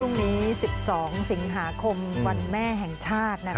พรุ่งนี้๑๒สิงหาคมวันแม่แห่งชาติ